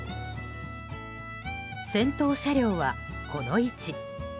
先頭車両はこの位置。